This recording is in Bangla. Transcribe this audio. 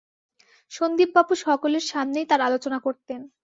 সন্দীপবাবু সকলের সামনেই তার আলোচনা করতেন।